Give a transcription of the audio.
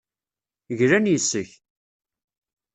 Glan yes-k.